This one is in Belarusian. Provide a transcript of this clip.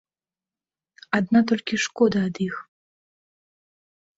Адна толькі шкода ад іх.